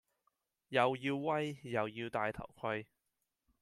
又要威，又要帶頭盔